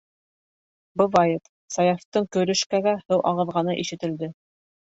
Бывает, - Саяфтың көрөшкәгә һыу ағыҙғаны ишетелде.